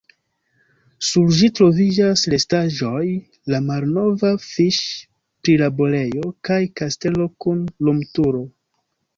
Sur ĝi troviĝas restaĵoj de malnova fiŝ-prilaborejo kaj kastelo kun lumturo.